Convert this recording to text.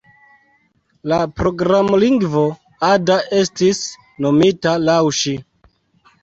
La programlingvo Ada estis nomita laŭ ŝi.